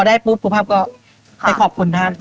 ได้ปุ๊บสุภาพก็ไปขอบคุณท่าน